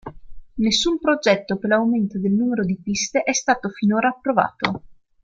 Nessun progetto per l'aumento del numero di piste è stato finora approvato.